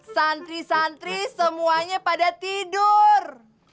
santri santri semuanya pada tidur